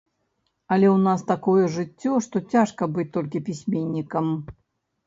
Але ў нас такое жыццё, што цяжка быць толькі пісьменнікам.